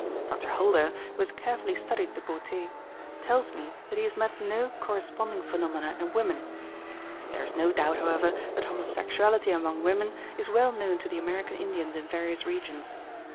Dr. Holder, who has carefully studied the boté, tells me that he has met no corresponding phenomena in women. There is no doubt, however, that homosexuality among women is well known to the American Indians in various regions.